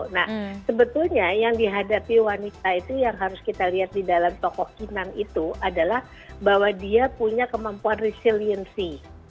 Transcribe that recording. nah sebetulnya yang dihadapi wanita itu yang harus kita lihat di dalam tokoh kinan itu adalah bahwa dia punya kemampuan resiliensi